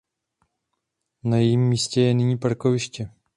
Na jejím místě je nyní parkoviště.